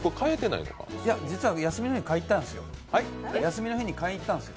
いや、実は休みの日に買いに行ったんですよ。